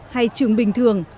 hay trường bình thường